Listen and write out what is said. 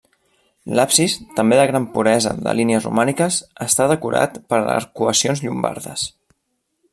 L'absis, també de gran puresa de línies romàniques, està decorat per arcuacions llombardes.